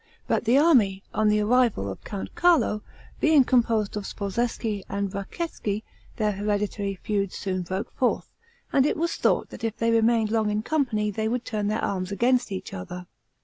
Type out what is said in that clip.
But the army, on the arrival of Count Carlo, being composed of Sforzeschi and Bracceschi, their hereditary feuds soon broke forth, and it was thought that if they remained long in company, they would turn their arms against each other.